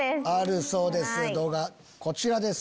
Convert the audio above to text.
こちらです！